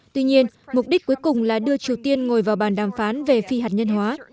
tuy nhiên mục đích cuối cùng là đưa triều tiên ngồi vào bàn đàm phán về phi hạt nhân hóa